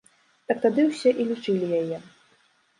Так тады ўсе і лічылі яе.